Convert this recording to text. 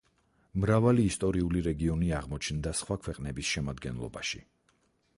მრავალი ისტორიული რეგიონი აღმოჩნდა სხვა ქვეყნების შემადგენლობაში.